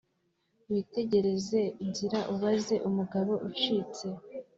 witegereze inzira ubaze umugabo ucitse